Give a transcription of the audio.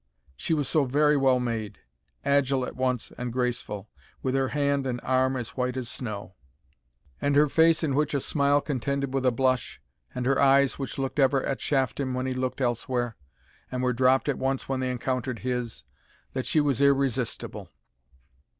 She was so very well made, agile at once and graceful, with her hand and arm as white as snow, and her face in which a smile contended with a blush, and her eyes which looked ever at Shafton when he looked elsewhere, and were dropped at once when they encountered his, that she was irresistible!